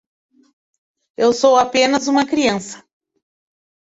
Eu sou apenas uma criança.